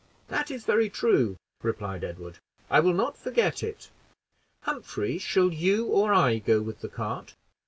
"That is very true," replied Edward; "I shall not forget it. Humphrey, shall you or I go with the cart?"